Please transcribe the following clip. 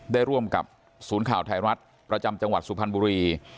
ได้ร่วมกับศูนย์ข่าวไทยรัฐประจำจังหวัดสุพรรณบุรี